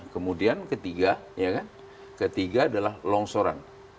kemudian ketiga ketiga adalah longsoran